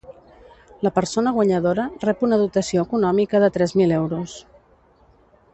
La persona guanyadora rep una dotació econòmica de tres mil euros.